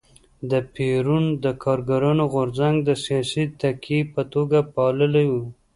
پېرون د کارګرانو غورځنګ د سیاسي تکیې په توګه پاللی و.